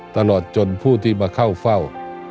ตลอดจนผู้ที่มาเข้าเฝ้า